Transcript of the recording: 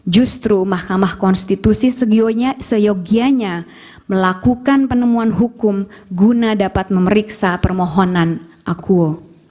justru mahkamah konstitusi seyogianya melakukan penemuan hukum guna dapat memeriksa permohonan akuo